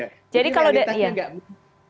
jadi kalau iya jadi realitasnya nggak mungkin